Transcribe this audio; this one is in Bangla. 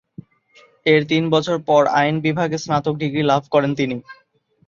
এর তিন বছর পর আইন বিষয়ে স্নাতক ডিগ্রী লাভ করেন তিনি।